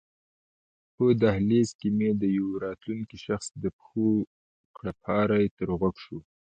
په دهلېز کې مې د یوه راتلونکي شخص د پښو کړپهاری تر غوږو شو.